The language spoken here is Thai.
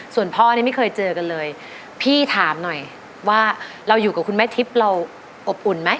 ส่วนพ่อเนี่ยไม่เคยเจอกันเลยพี่ถามหน่อยว่าเราอยู่กับคุณแม่ทิพย์เราอบอุ่นไหม